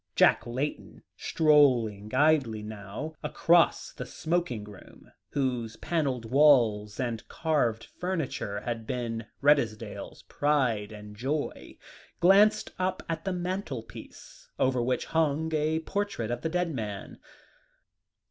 Jack Layton, strolling idly now across the smoking room, whose panelled walls and carved furniture had been Redesdale's pride and joy, glanced up at the mantelpiece, over which hung a portrait of the dead man.